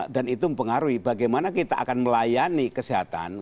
dan itu mempengaruhi bagaimana kita akan melayani kesehatan